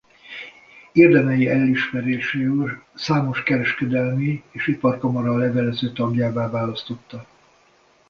Érdemei elismeréséül számos kereskedelmi és iparkamara levelező tagjává választotta.